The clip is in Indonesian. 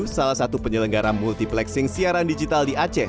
salah satu penyelenggara multiplexing siaran digital di aceh